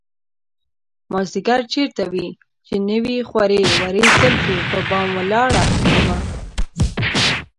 مازديگر چېرته وې چې نه وې خورې ورې زلفې په بام ولاړه ومه